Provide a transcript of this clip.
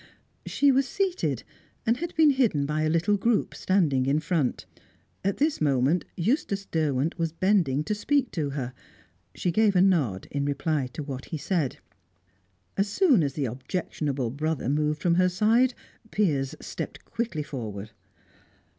She was seated, and had been hidden by a little group standing in front. At this moment, Eustace Derwent was bending to speak to her; she gave a nod in reply to what he said. As soon as the objectionable brother moved from her side, Piers stepped quickly forward.